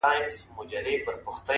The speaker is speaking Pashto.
خیر حتمي کارونه مه پرېږده! کار باسه!